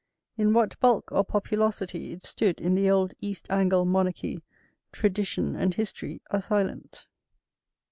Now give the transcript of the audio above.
In what bulk or populosity it stood in the old East Angle monarchy tradition and history are silent.